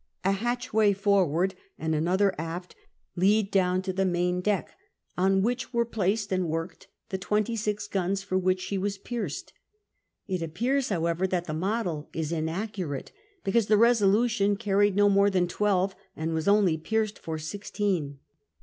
A hatchway forward and another aft lead down to the main deck, on which were placed and worked the twenty six guns for which she was pierced. It appears, hoAvever, that the model is inaccurate, because the Besolution carried no more tlum twelve, and was only pierced for sixteen.